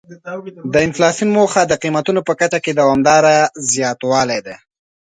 د انفلاسیون موخه د قیمتونو په کچه کې دوامداره زیاتوالی دی.